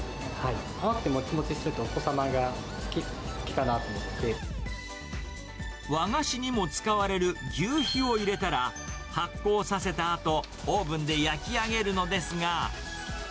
甘くてもちもちしてると、和菓子にも使われるぎゅうひを入れたら、発酵させたあと、オーブンで焼き上げるのですが。